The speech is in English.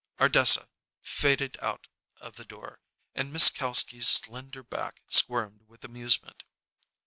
Ardessa faded out of the door, and Miss Kalski's slender back squirmed with amusement.